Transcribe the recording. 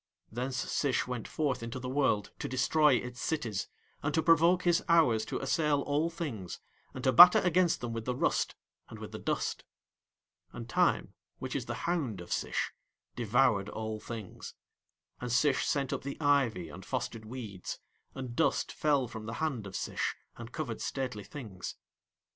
Thence Sish went forth into the world to destroy its cities, and to provoke his hours to assail all things, and to batter against them with the rust and with the dust. And Time, which is the hound of Sish, devoured all things; and Sish sent up the ivy and fostered weeds, and dust fell from the hand of Sish and covered stately things.